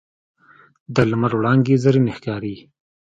د لمر وړانګې زرینې ښکاري